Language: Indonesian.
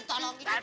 terima kasih sob